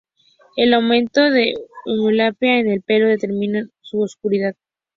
El aumento de eumelanina en el pelo determina su oscuridad.